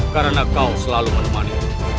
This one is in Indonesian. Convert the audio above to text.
karena kau selalu menemani